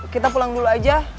kita pulang dulu aja